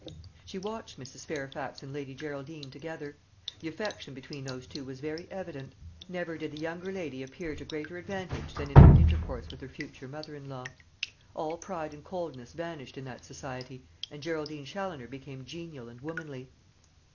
She watched Mrs. Fairfax and Lady Geraldine together. The affection between those two was very evident. Never did the younger lady appear to greater advantage than in her intercourse with her future mother in law. All pride and coldness vanished in that society, and Geraldine Challoner became genial and womanly.